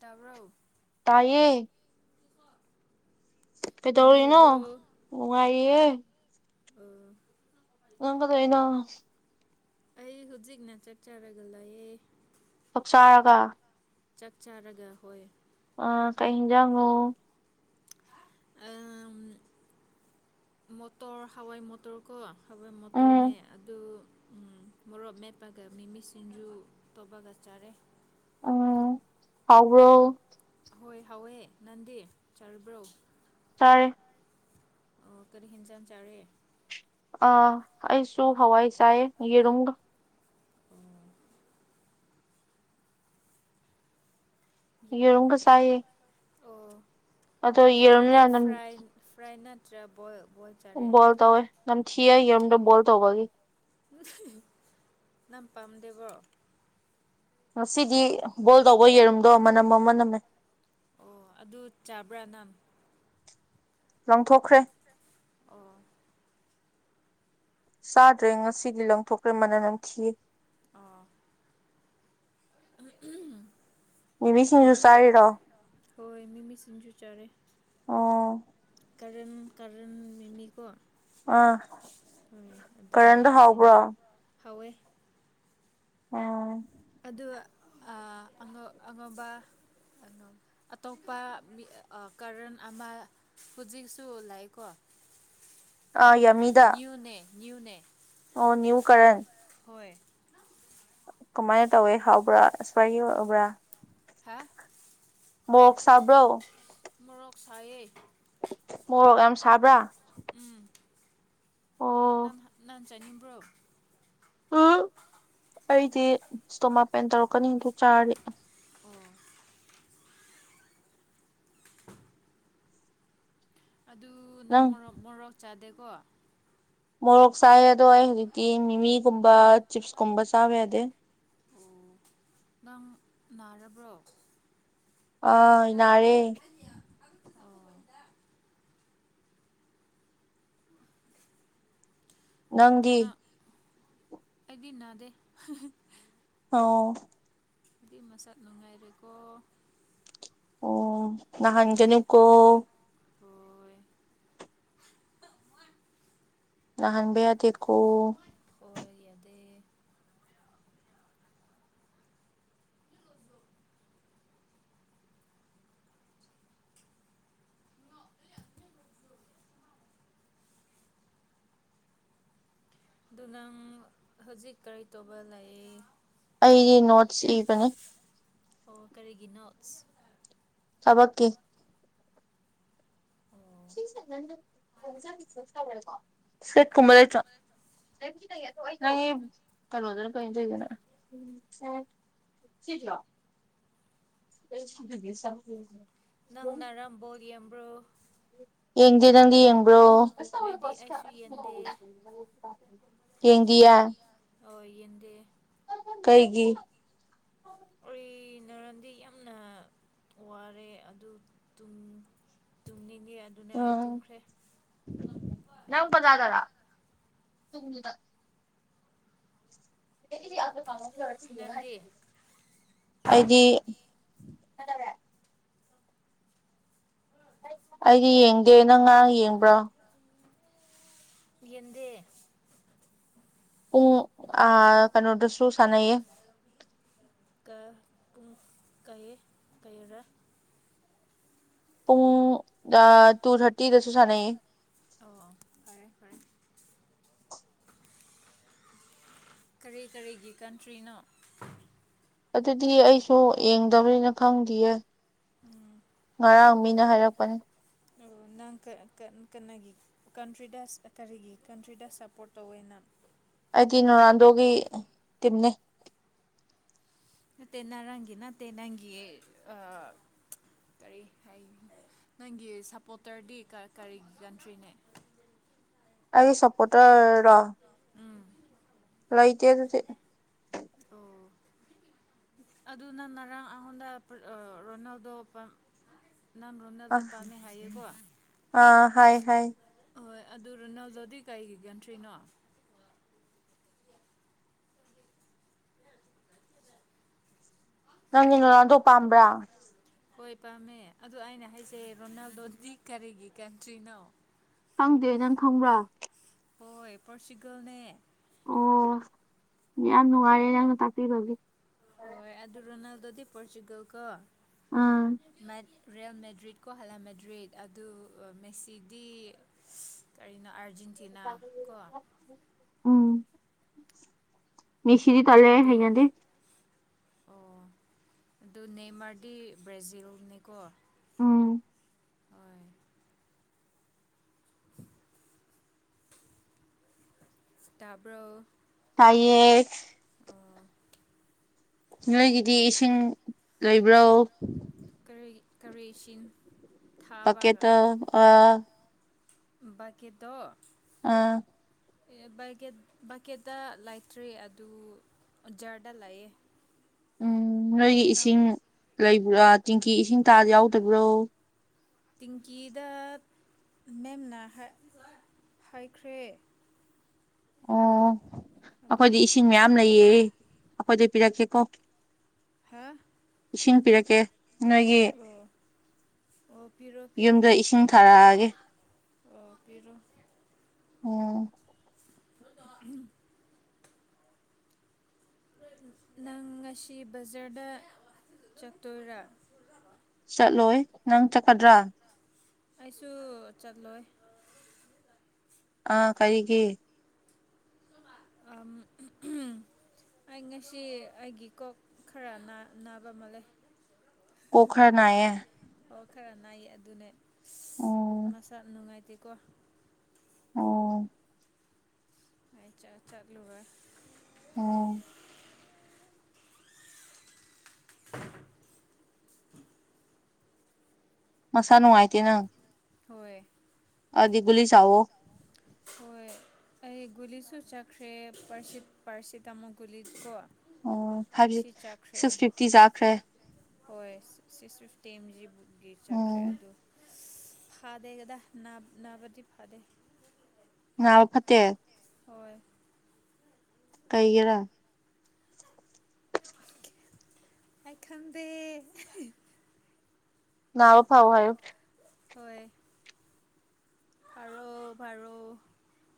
ꯇꯔꯨꯛ ꯇꯥꯏꯌꯦ ꯀꯩꯗꯧꯔꯤꯅꯣ ꯅꯨꯡꯉꯥꯏꯔꯕ꯭ꯔꯣ ꯅꯨꯡꯉꯥꯏꯌꯦꯦ ꯑꯣ ꯅꯝꯕꯗꯅꯣ ꯑꯩ ꯍꯧꯖꯤꯛꯅ ꯆꯠ ꯆꯔꯒ ꯂꯌꯦꯦ ꯆꯣꯛꯆꯥꯔꯒ ꯆꯥꯛ ꯆꯥꯔꯒ ꯍꯣꯏ ꯑ ꯀꯩꯖꯉꯣ [inaudible] ꯃꯣꯇꯣꯔ ꯍꯋꯥꯏ ꯃꯇꯣꯔ ꯀꯣ ꯍꯋꯥꯏ ꯎꯝ ꯃꯇꯣꯔꯅꯦ ꯑꯗꯨ ꯃꯣꯔꯣꯛ ꯃꯦꯠꯄꯒ ꯃꯤꯃꯤ ꯁꯤꯡꯟꯖꯨ ꯇꯣꯕꯥ ꯀꯆꯥꯔꯦ ꯎꯝ ꯍꯥꯎ꯭ꯔꯣ ꯍꯣꯏ ꯍꯋꯦ ꯅꯟꯗꯦꯔ ꯆꯥꯔꯕ꯭ꯔꯣ ꯇꯥꯔꯦ ꯑꯣ ꯀꯔꯤ ꯍꯟꯖꯥꯟ ꯆꯥꯔꯦ ꯑ ꯑꯩꯁꯨ ꯍꯋꯥꯏ ꯆꯥꯏ ꯌꯦꯔꯨꯝ ꯌꯦꯔꯒ ꯁꯥꯏꯦ ꯑꯣ ꯌꯦꯔꯨꯝꯗꯤ ꯅꯝ ꯐ꯭ꯔꯥꯏ ꯅꯠꯇ꯭ꯔꯥ ꯕꯣꯏꯜ ꯕꯣꯏꯜ ꯆꯥꯔꯦ ꯣꯜ ꯇꯧ ꯑꯣꯏ ꯅ ꯊꯤꯗ ꯣꯜ ꯇꯕꯒꯤ ꯅꯪ ꯄꯥꯝꯗꯦꯕꯣ ꯉꯁꯤꯗꯤ ꯕꯣꯜ ꯇꯧꯕ ꯌꯦꯔꯨꯝꯗꯣ ꯃꯅꯝ ꯃꯅꯝꯃꯦ ꯑꯣ ꯑꯗꯨ ꯆꯥꯕ꯭ꯔꯥ ꯅꯍꯥꯟ ꯂꯪꯊꯣꯛꯈ꯭ꯔꯦ ꯑꯣ ꯆꯥꯗ꯭ꯔꯦ ꯉꯁꯤꯗꯤ ꯂꯪꯊꯣꯛꯈ꯭ꯔꯦ ꯃꯅ ꯅꯪꯈꯤ ꯑ ꯎꯝꯝ ꯃꯤꯃꯤ ꯁꯤꯡꯖꯨ ꯑꯗꯨ ꯆꯥꯔꯤꯔꯣ ꯍꯣꯏ ꯃꯤꯃꯤꯁꯤꯡꯁꯨ ꯆꯥꯔꯦ ꯑꯣ ꯀꯔꯦꯟ ꯀꯔꯦꯟ ꯃꯤꯅꯤꯀꯣ ꯑꯥ ꯀꯔꯦꯟꯗ ꯍꯥꯎꯕ꯭ꯔꯣ ꯐꯋꯦ ꯎꯝ ꯑꯗꯨꯒꯉ ꯑꯉꯧꯕ ꯑꯇꯣꯞꯄ ꯀꯔꯟ ꯑꯃ ꯍꯧꯖꯤꯛꯁꯨ ꯂꯀꯣ ꯑꯥ ꯌꯃꯤꯗꯥ ꯅꯅꯤꯌꯨꯅꯦ ꯑꯣ ꯅꯅꯤꯎ ꯀꯔꯦꯟ ꯍꯣꯏ ꯀꯃꯥꯏꯅ ꯇꯧꯋꯦ ꯍꯥꯎꯕ꯭ꯔꯥ ꯏꯁꯄꯔꯒꯤ ꯑꯣꯏꯕ꯭ꯔꯥ ꯍꯥ ꯃꯣꯛ ꯁꯥꯕꯣ ꯃꯔꯣꯔꯣꯛ ꯁꯥꯏ ꯃꯣꯔꯣꯛ ꯌꯥꯝ ꯁꯥꯕ꯭ꯔꯥ ꯑꯣ ꯅꯥꯆꯥꯅꯤꯕ꯭ꯔꯣ ꯎ ꯑꯩꯗꯤ ꯏꯁꯇꯣꯃꯥ ꯄꯦꯟ ꯇꯧꯔꯛꯀꯅꯤꯗꯨ ꯆꯥꯔꯤ ꯑꯗꯨ ꯅ ꯅꯪ ꯃꯣꯔꯣꯛ ꯃꯣꯔꯣꯛ ꯆꯥꯗꯦꯀꯣ ꯃꯣꯔꯣꯛ ꯆꯥꯏ ꯑꯗꯣ ꯑꯩ ꯍꯧꯖꯤꯛꯇꯤ ꯃꯤꯃꯤꯒꯨꯝꯕ ꯆꯤꯞꯁꯀꯨꯝꯕ ꯆꯥꯕ ꯌꯥꯗꯦ ꯑꯣ ꯅꯪ ꯅꯥꯔꯕ꯭ꯔꯣ ꯑ ꯏ ꯔꯦ ꯑꯣ ꯅꯪꯗꯤ ꯑꯩꯗꯤꯅꯥꯗ ꯑ ꯑꯗꯨ ꯃꯁꯥ ꯅꯅꯨꯡꯉꯥꯏꯔꯀ ꯑꯣ ꯅ ꯍꯟꯖꯅꯤ ꯀꯣ ꯍꯣꯏ ꯅꯍꯥꯟꯕꯤ ꯌꯥꯗꯤꯦ ꯏꯀꯣ ꯍꯣꯏ ꯌꯥꯗꯦ ꯑꯗꯨ ꯅꯪ ꯍꯧꯖꯤꯛ ꯀꯔꯤ ꯇꯧꯕ ꯂꯩ ꯑꯩꯗꯤ ꯅꯣꯠꯁ ꯏꯕꯅꯤ ꯑꯣ [inaudible] ꯁꯕꯀꯤ ꯑꯣ ꯁꯦꯠ ꯀꯨꯃꯔ ꯆ ꯀꯩꯅꯣꯗꯅ ꯀꯗꯅ ꯁꯤꯠꯂꯣ ꯅꯪ ꯅꯥꯔꯝꯕꯣ ꯌꯦꯡꯕ꯭ꯔꯣ ꯌꯦꯡꯗꯦ ꯅꯪꯗꯤ ꯌꯦꯡꯕ꯭ꯔꯣ ꯑꯩꯗꯤ ꯑꯩꯁꯨ ꯌꯦꯟꯗꯦ ꯌꯦꯦꯡꯡꯒꯌꯥ ꯑꯩꯗ ꯀꯩꯒꯤ [inaudible] ꯇꯅꯔꯗꯤ ꯌꯥꯝꯅ ꯋꯥꯔꯦ ꯑꯗꯨ ꯇꯨꯡ ꯎꯝ ꯅꯪꯄꯗꯥꯥ ꯇꯗ ꯇꯗ ꯅꯪꯗꯤ ꯑꯩꯗꯤ ꯍꯦ ꯑꯩꯗꯤ ꯌꯦꯡꯗꯦ ꯅꯪ ꯉꯔꯥꯡ ꯌꯦꯡꯕ꯭ꯔꯥ ꯌꯦꯗꯦ ꯎ ꯑ ꯀꯩꯅꯣꯗꯁꯨꯣ ꯁꯅꯌꯦꯦ ꯄꯨꯡ ꯀꯩ ꯀꯩꯔꯦ ꯄꯨꯡ ꯇꯨ ꯊꯥꯔꯇꯤꯗꯁꯨ ꯁꯥꯟꯅꯩꯌꯦ ꯑꯣ ꯐꯔꯦ ꯐꯔꯦ ꯀꯔꯤ ꯀꯔꯤꯒꯤ ꯀꯟꯇ꯭ꯔꯤꯅꯣ ꯑꯗꯨꯗꯤ ꯑꯩꯁꯨ ꯌꯦꯡꯗꯕꯅꯤꯅ ꯈꯪꯗꯌꯦ ꯉꯔꯥꯡ ꯃꯤꯅ ꯍꯥꯏꯔꯛꯄꯅꯤ ꯑꯣ ꯅꯪ ꯀꯅꯥꯒꯤ ꯀꯟꯇ꯭ꯔꯤꯗ ꯀꯔꯤꯒꯤ ꯀꯟꯇ꯭ꯔꯤꯗ ꯁꯞꯄꯣꯔꯠ ꯇꯧꯋꯦ ꯅꯪ ꯑꯩꯗꯤ ꯅꯣꯅꯥꯜꯗꯣꯒꯤ ꯇꯤꯝꯅꯤ ꯇ ꯅꯔꯒꯤꯤ ꯅ ꯇ ꯅꯪꯒꯤꯤ ꯑ ꯀꯔꯤ ꯍꯥꯏ ꯅꯪꯒꯤ ꯁꯞꯄꯣꯔꯇꯔꯗꯤ ꯀꯔꯤ ꯀꯟꯇ꯭ꯔꯤꯅꯦ ꯑꯩꯒꯤ ꯁꯄꯣꯇꯔ ꯎꯝ ꯂꯣꯏꯇꯦ ꯑꯗꯨ ꯑꯣ ꯑꯗꯨꯅꯅꯔ ꯑꯉꯣꯗ ꯔꯣꯅꯥꯜꯗꯣꯝ ꯑ ꯑꯥ ꯍꯥꯏ ꯍꯥꯏ ꯍꯣꯏ ꯑꯗꯨ ꯅꯎꯖꯣꯗꯤ ꯀꯩꯒꯤ ꯀꯟ ꯊ꯭ꯔꯤꯅꯣ ꯅꯪꯒꯤ ꯅ ꯂꯗꯣꯛ ꯄꯥꯝꯕ꯭ꯔꯥ ꯍꯣꯏ ꯄꯥꯝꯃꯦ ꯑꯗꯨ ꯑꯩꯅ ꯍꯥꯏꯖꯩ ꯔꯣꯅꯥꯜꯗꯣꯗꯤ ꯀꯔꯤꯒꯤ ꯀꯟꯇ꯭ꯔꯤꯅꯣ ꯈꯪꯗꯦ ꯅꯪ ꯈꯪꯕ꯭ꯔꯥ ꯍꯣꯏ ꯄꯣꯔꯆꯨꯒꯜꯅꯦ ꯑꯣ ꯌꯥꯝ ꯅꯨꯡꯉꯥꯏꯔꯌꯦꯦ ꯅꯪꯅ ꯇꯥꯛꯄꯤꯕꯒꯤ ꯑꯗꯤ ꯄꯣꯣꯔꯆꯨꯒꯜꯒ ꯎꯝ ꯔꯤꯌꯦꯜ ꯃꯦꯗ꯭ꯔꯤꯠꯀꯣ ꯍꯜꯂꯦ ꯃꯦꯗ꯭ꯔꯤꯠ ꯑꯗꯨ ꯃꯦꯁꯤꯗꯤ ꯀꯔꯤꯅꯣ ꯑꯥꯔ ꯎꯝ ꯅꯤꯁꯤꯤꯗꯤ ꯇꯂ ꯍ ꯑꯗꯨ ꯌꯥꯗꯤ ꯑꯣ ꯑꯗꯨ ꯅꯦꯃꯥꯔꯗꯤ ꯕ꯭ꯔꯥꯖꯤꯜꯅꯤꯀꯣ ꯎꯝ ꯍꯣꯏ ꯏꯁꯇꯥꯕ꯭ꯔꯣ ꯑꯩ ꯅꯣꯏꯒꯤꯗꯤ ꯏꯁꯤꯡ ꯂꯩꯕ꯭ꯔꯣ ꯇꯔꯦꯁꯤꯟ ꯄꯀꯦꯠꯇ ꯑ ꯀꯦꯗ ꯑꯥ ꯕꯛꯀꯦꯠꯇ ꯂꯩꯇ꯭ꯔꯔꯤ ꯑꯗꯨ ꯖꯗ ꯂꯩꯑ ꯎꯝ ꯅꯣꯏꯒꯤ ꯏꯁꯤꯡ ꯂꯩꯕ꯭ꯔꯥ ꯆꯦꯡꯀꯤ ꯏꯁꯤꯡ ꯇꯥꯗ ꯌꯥꯎꯗꯕ꯭ꯔꯣ ꯇꯤꯤꯡꯀꯤꯗ ꯃꯦꯝꯅ ꯍꯥꯏꯈ꯭ꯔꯦ ꯑꯣ ꯑꯗꯨ ꯑꯩꯈꯣꯏꯗꯤ ꯏꯁꯤꯡ ꯃꯌꯥꯝ ꯂꯩꯌꯦ ꯑꯩꯈꯣꯏꯗꯤ ꯄꯔꯦ ꯀꯣ ꯍꯥꯦ ꯏꯁꯤꯡ ꯄꯤꯔꯛꯀꯦ ꯅꯣꯏꯒꯤ ꯄꯤꯔꯣ ꯄꯤꯔꯣ ꯌꯨꯝꯗ ꯏꯁꯤꯡ ꯊꯥꯔꯛꯑꯒꯦ ꯄꯔꯣ ꯎꯝ ꯎꯝ ꯅꯪ ꯉꯁꯤ ꯕꯖꯥꯔꯗ ꯆꯠꯇꯣꯏꯔꯥ ꯆꯠꯂꯣꯏ ꯅꯪ ꯆꯠꯀꯗ꯭ꯔꯥ ꯑꯩꯁꯨ ꯆꯠꯂꯣꯏ ꯑꯥ ꯀꯔꯤꯒꯦ ꯑ ꯑꯩ ꯉꯁꯤ ꯑꯩꯒꯤ ꯀꯣꯛ ꯈꯔ ꯅꯥꯕ ꯑꯃ ꯂꯩ ꯄꯣꯈꯔꯅꯥꯌꯦ ꯑꯣ ꯈꯔ ꯅꯥꯏꯌꯦ ꯑꯗꯨꯅꯦ ꯎꯝ ꯃꯁꯥ ꯅꯨꯡꯉꯥꯏꯇꯦꯀꯣ ꯑꯣ ꯑ ꯆ ꯆꯠ ꯂꯨꯦ ꯎꯝ [unintelligible] ꯃꯁꯥ ꯅꯨꯡꯉꯥꯏꯇꯦ ꯅꯪ ꯍꯣꯏ ꯑꯗꯤꯒꯨꯂꯤ ꯁꯥꯋꯣ ꯍꯣꯏ ꯑꯩ ꯒꯨꯂꯤꯁꯨ ꯆꯠꯈ꯭ꯔꯦ ꯄꯥꯔꯁꯤ ꯇꯥꯃꯨꯛ ꯒꯨꯂꯤ ꯀꯣ ꯑꯣ ꯐꯥꯏꯚ ꯁꯤꯤ ꯆꯦ ꯁꯤꯛꯁ ꯐꯤꯐꯇꯤ ꯆꯥꯈ꯭ꯔꯦ ꯍꯣꯏ ꯇꯦꯝꯖꯤ ꯕꯨꯒꯤ ꯆꯠꯈ꯭ꯔꯦ ꯎꯝ ꯑꯗꯨ ꯐꯥꯗꯦ ꯀꯗ ꯅꯅꯥ ꯅꯅꯥꯕꯖꯤ ꯐꯥꯗ ꯐꯠꯇꯦꯍꯦ ꯍꯣꯏ ꯀꯩꯒꯔ ꯑꯦꯈꯟꯗ ꯅꯥꯑꯣ ꯐꯥꯎ ꯍꯥꯏ ꯍꯣꯏ ꯄꯔꯣꯚꯔꯣ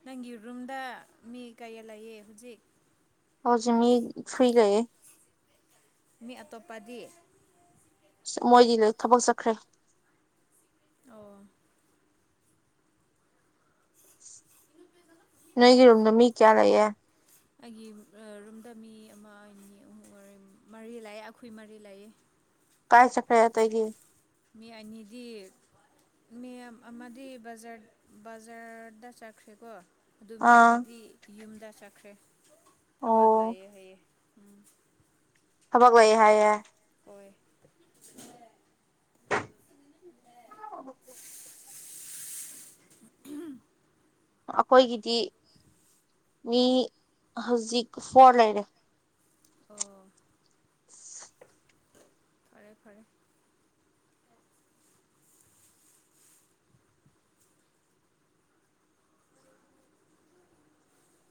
ꯅꯪꯒꯤ ꯔꯨꯝꯗ ꯃꯤ ꯀꯌꯥ ꯂꯩꯌꯦ ꯍꯧꯖꯤꯛ ꯍꯧꯖꯤꯃꯤ ꯐꯔꯤꯒ ꯃꯤ ꯑꯇꯣꯞꯄꯗꯤ ꯃꯣꯏꯗꯤ ꯊꯕꯛ ꯆꯠꯈ꯭ꯔꯦ ꯑꯣ ꯅꯒꯤ ꯔꯝꯅꯃꯤ ꯀꯌꯥ ꯂꯩꯌꯦ ꯑꯩꯒꯤ ꯔꯨꯝꯗ ꯃꯤ ꯑꯃ ꯑꯅꯤ ꯑꯍꯨꯝ ꯃꯔꯤ ꯂꯥꯛꯑꯦ ꯑꯩꯈꯣꯏ ꯃꯔꯤ ꯂꯥꯛꯑꯦ ꯀꯥꯏ ꯆꯀ꯭ꯔ ꯌꯥ ꯇ ꯑꯩꯒꯤ ꯃꯤ ꯑꯅꯤꯗꯤ ꯃꯤ ꯑꯃꯗꯤꯕ ꯕꯖꯥꯔꯗ ꯆꯠꯈ꯭ꯔꯦꯀꯣ ꯑꯗꯨ ꯃꯤ ꯑꯥ ꯑꯃꯗꯤ ꯌꯨꯝꯗ ꯆꯠꯈ꯭ꯔꯦ ꯊꯕꯠ ꯑꯣ ꯂꯩꯥꯏꯑꯦ ꯍꯩꯑꯦ ꯍꯕꯒ ꯋꯥꯏ ꯍꯥꯏꯦ ꯍꯣꯏ ꯑꯣ ꯑꯩꯈꯣꯏꯒꯤꯗꯤ ꯃꯤ ꯍꯧꯖꯤꯛ ꯐꯣꯔ ꯂꯩꯔꯦ ꯑꯣ [unintelligible] [unintelligible] ꯐꯔꯦ ꯐꯔꯦ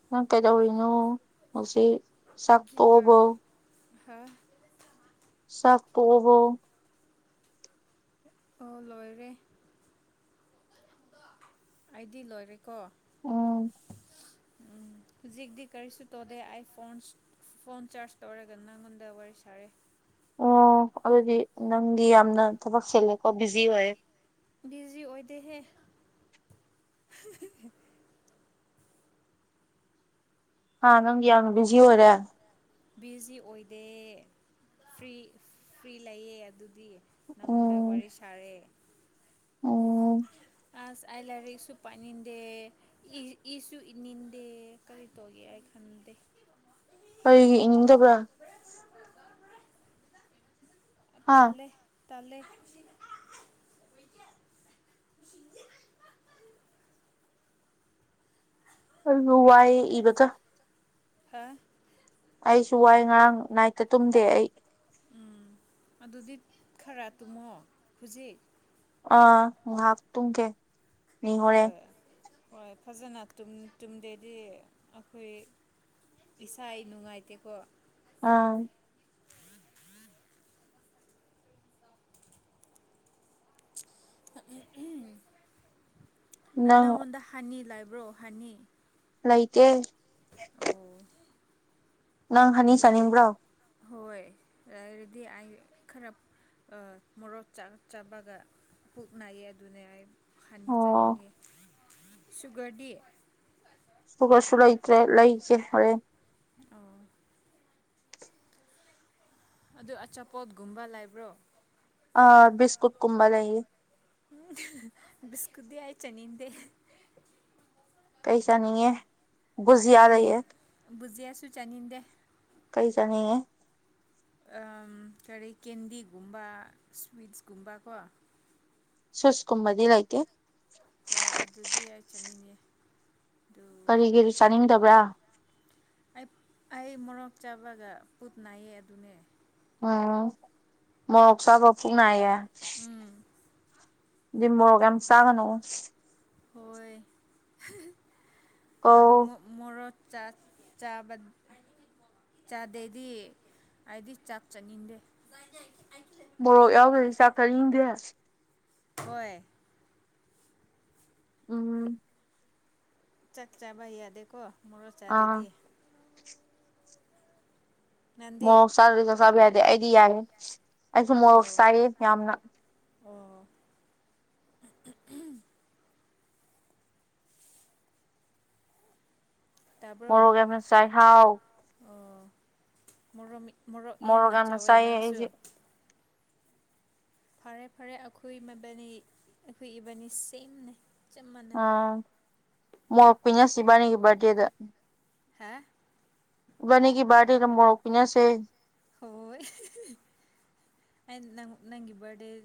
ꯅꯪ ꯀꯩꯗꯧꯔꯤꯅꯣ ꯉ ꯆꯥꯛ ꯇꯣꯛꯕ ꯍꯥꯥ ꯁꯈ ꯑꯣꯏꯕꯣ ꯑꯣ ꯂꯣꯏꯔꯦ ꯑꯩꯗꯤ ꯂꯣꯏꯔꯦꯀꯣ ꯎꯝ ꯖꯤꯗꯤ ꯀꯔꯤꯁꯨ ꯇꯣꯗ ꯑꯥꯏ ꯐꯣꯟꯣꯟ ꯐꯣꯟ ꯆꯥꯔꯖ ꯇꯧꯔꯒ ꯅꯉꯣꯟꯗ ꯋꯥꯔꯤ ꯁꯥꯔꯦ ꯑꯣ ꯑꯗꯨꯗꯤ ꯅꯪꯗꯤ ꯌꯥꯝꯅ ꯊꯕꯛ ꯁꯦꯂꯦꯀꯣ ꯕꯤꯖꯤ ꯑꯣꯏꯌꯦ ꯕꯤꯖꯤꯤ ꯑꯣꯏꯗ ꯍꯦ ꯍꯥꯥ ꯅꯪꯒꯤ ꯌꯥꯝꯅ ꯕꯤꯖꯤ ꯑꯣꯏꯔꯦ ꯕꯤꯖꯤ ꯑꯣꯏꯗꯦ ꯐꯔꯤ ꯐ꯭ꯔꯤ ꯂꯩꯌꯦ ꯑꯗꯨꯗꯤ ꯅꯉꯨꯟꯗꯕꯔ ꯁꯔꯦ ꯑꯣ ꯑꯁ ꯑꯩ ꯂꯥꯏꯔꯤꯛꯁꯨ ꯄꯥꯅꯤꯡꯗꯦ ꯏꯁꯨ ꯏꯅꯤꯡꯗꯦ ꯀꯔꯤ ꯇꯧꯒꯦ ꯑꯩ ꯈꯜꯦ ꯐꯗꯦ ꯀꯔꯤꯒꯤ ꯏꯅꯤꯡꯗꯕ꯭ꯔꯥ ꯍꯥ ꯇꯥꯂꯦ ꯇꯥꯂꯦ [inaudible] ꯑꯜ ꯋꯥꯏ ꯏꯕ ꯆ ꯍꯥ ꯑꯩꯁꯨ ꯋꯥꯏ ꯉꯔꯥꯡ ꯅꯥꯏꯠꯇ ꯇꯨꯝꯗꯦ ꯑꯩ ꯎꯝ ꯑꯗꯨꯗꯤ ꯈꯔ ꯇꯨꯝꯃꯣ ꯍꯧꯖꯤꯛ ꯑ ꯍꯥꯥꯛ ꯇꯨꯡꯒꯦ ꯃꯤꯅꯤꯍꯔꯦ ꯍꯣꯏ ꯍꯣꯏ ꯐꯖꯅ ꯇꯨꯝꯗꯦꯗꯤ ꯑꯩꯈꯣꯏ ꯏꯁꯥ ꯑꯩ ꯅꯨꯡꯉꯥꯏꯇꯦꯀꯣ ꯑꯥ ꯎꯝ ꯎꯝ ꯅꯪ ꯅꯪꯉꯣꯟꯗ ꯍꯅꯤ ꯂꯥꯏꯕ꯭ꯔꯣ ꯍꯅꯤ ꯂꯥꯏꯇꯦ ꯑꯣ ꯅꯪ ꯍꯥꯏꯅꯤ ꯆꯥꯅꯤꯡꯕ꯭ꯔꯣ ꯍꯣꯏꯗꯤ ꯈꯔ ꯃꯣꯔꯣꯛꯥꯛ ꯆꯥꯄꯒ ꯄꯨꯛꯅꯩ ꯑꯗꯨꯅꯦ ꯑꯩ ꯈꯅꯤ ꯑꯣ ꯆꯅꯤꯡꯉꯦ ꯁꯨꯒꯔꯗꯤ ꯁ ꯀꯩꯁꯨ ꯂꯩꯇ꯭ꯔꯦ ꯂꯩꯁꯦ ꯍꯣꯔꯦꯟ ꯑꯣ ꯑꯗꯨ ꯑꯆꯥꯄꯣꯠꯒꯨꯝꯕ ꯂꯩꯕ꯭ꯔꯣ ꯑꯥ ꯕꯤꯁꯀꯨꯠ ꯀꯨꯝꯕ ꯂꯩꯌꯦ ꯈꯨꯗ ꯌꯥ ꯆꯅꯤꯗ ꯀꯩꯁꯥꯅꯤꯌꯦ ꯑꯩ ꯕꯨꯖꯌꯥꯁꯨ ꯆꯥꯅꯤꯡꯗꯦ ꯆꯉ ꯀꯔꯔꯤ ꯀꯦꯟꯗꯤꯒꯨꯝꯕ ꯁ꯭ꯋꯤꯠꯁꯒꯨꯝꯕ ꯀꯣ ꯁꯨꯁꯀꯨꯝꯕꯗꯤ ꯂꯥꯏꯇ ꯍꯣꯏ ꯑꯗꯨꯗꯤ ꯑꯩ ꯆꯠꯅꯤꯡꯉꯦ ꯀꯔꯤ ꯀꯔꯤ ꯆꯥꯅꯤꯡꯗꯕ꯭ꯔꯥ ꯑꯩ ꯑꯩ ꯃꯣꯔꯣꯛ ꯆꯥꯕꯒ ꯄꯠ ꯅꯥꯏꯌꯦ ꯑꯗꯨꯅꯦ ꯑꯣ ꯃ‌ꯣꯔ‌ꯣꯛ ꯆꯥꯕ ꯄꯨꯛ ꯅꯥꯏꯌ‌ꯦ ꯎꯝ ꯃꯗꯨꯗꯤ ꯃ‌ꯣꯔ‌ꯣꯛ ꯌꯥꯝ ꯆꯥꯒꯅ‌ꯣ ꯍꯣꯏ ꯍ‌ꯦ ꯍ‌ꯦ ꯀꯣ ꯑꯗꯨ ꯃꯣ ꯃ‌ꯣꯔ‌ꯣꯛ ꯆꯥ ꯆꯥꯕ ꯆꯥꯗꯦꯗꯤ ꯍꯥꯏꯗꯤ ꯆꯥꯛ ꯆꯥꯅꯤꯡꯗꯦ ꯃꯣꯔꯣꯛ ꯌꯥꯎꯗꯔꯗꯤ ꯆꯥꯛ ꯆꯥꯅꯤꯡꯗꯦ ꯍꯣꯏ ꯎꯝ ꯆꯥꯛꯆꯥꯕ ꯌꯥꯗꯦꯀꯣ ꯃ‌ꯣꯔꯣꯛ ꯑꯥ ꯆꯥꯗꯗꯤ ꯅꯪꯗꯤ ꯃꯣꯔꯣꯛ ꯆꯥꯗꯔꯗꯤ ꯆꯥꯛ ꯆꯥꯕ ꯌꯥꯗꯦ ꯑꯩꯗꯤ ꯌꯥꯏ ꯑꯩꯁꯨ ꯃꯣꯔꯣꯛ ꯑꯣ ꯆꯥꯏꯌꯦ ꯌꯥꯝꯅ ꯑꯣ ꯇꯥꯕ꯭ꯔꯣ ꯃ‌ꯣꯔ‌ꯣꯛ ꯌꯥꯝꯅ ꯆꯥꯏ ꯍꯥꯎ ꯑꯣ ꯃꯣꯔꯣꯛ ꯃꯤ ꯃꯣꯔꯣꯛ ꯌꯥꯝꯅ ꯆꯥꯎꯋꯦ ꯅꯪꯁꯨ ꯐꯔꯦ ꯐꯔꯦ ꯑꯩꯈꯣꯏ ꯃꯕꯥꯅꯤ ꯑꯩꯈꯣꯏ ꯏꯕꯥꯅꯤ ꯁꯦꯝꯅ‌ꯦ ꯆꯞ ꯃꯥꯅꯥ ꯃ‌ꯣꯔ‌ꯛ ꯄꯤꯅꯁ‌ꯦ ꯏꯕꯥꯅꯤꯒꯤ ꯕꯥꯔꯗꯦꯗ ꯍꯥ ꯏꯕꯥꯅꯤꯒꯤ ꯕꯥꯔꯗ‌ꯦꯗ ꯃ‌ꯣꯔ‌ꯣꯛ ꯄꯤꯅꯁꯦ ꯍ‌ꯣꯏ ꯅꯪ ꯅꯪꯒꯤ ꯕꯥꯔꯗ‌ꯦ